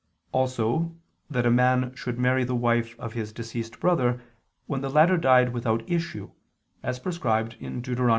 Also that a man should marry the wife of his deceased brother when the latter died without issue, as prescribed in Deut.